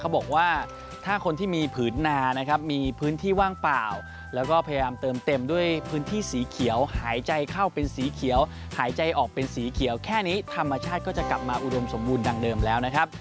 บอกว่าถ้าคนที่มีผืนนานะครับมีพื้นที่ว่างเปล่าแล้วก็พยายามเติมเต็มด้วยพื้นที่สีเขียวหายใจเข้าเป็นสีเขียวหายใจออกเป็นสีเขียวแค่นี้ธรรมชาติก็จะกลับมาอุดมสมบูรณดังเดิมแล้วนะครับ